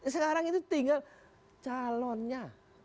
sekarang itu tinggal calonnya